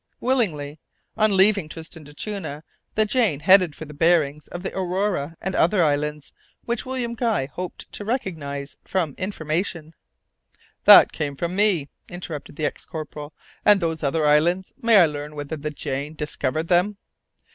"Willingly. On leaving Tristan d'Acunha the Jane headed for the bearings of the Aurora and other islands, which William Guy hoped to recognize from information " "That came from me," interrupted the ex corporal. "And those other islands, may I learn whether the Jane discovered them?"